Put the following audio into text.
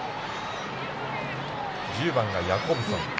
１０番、ヤコブソン。